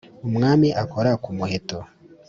umwami akora ku muheto